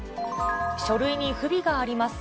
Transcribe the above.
書類に不備があります。